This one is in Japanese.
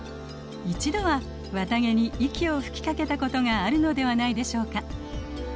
一度は綿毛に息を吹きかけたことがあるのではないでしょうか。